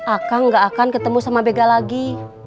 akang gak akan ketemu sama bega lagi